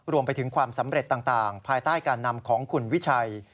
รวมไปถึงความสำเร็จต่างภายใต้การนำของคุณวิชัย